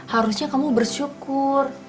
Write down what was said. harusnya kamu bersyukur